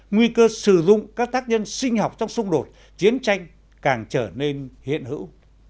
nguy cơ sử dụng các tác nhân sinh học trong xung đột chiến tranh càng trở nên hiện hữu